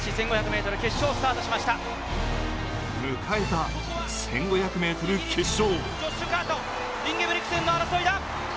迎えた１５００ｍ決勝。